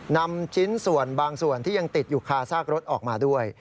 นำชิ้นส่วนบางส่วนที่ยังติดอยู่คาซากรถออกมาด้วย